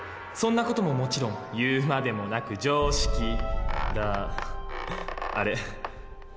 そんな事ももちろん言うまでもなく常識だあれ？